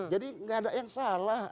jadi gak ada yang salah